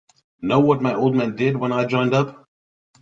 Know what my old man did when I joined up?